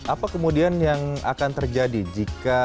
apa kemudian yang akan terjadi jika